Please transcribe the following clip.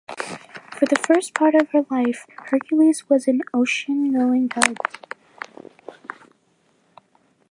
For the first part of her life, "Hercules" was an oceangoing tug.